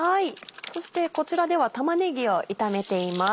そしてこちらでは玉ねぎを炒めています。